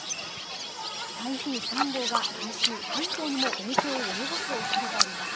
台風３号が来週、関東にも影響を及ぼすおそれがあります。